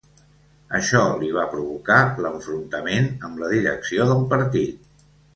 Això li va provocar l'enfrontament amb la direcció del partit.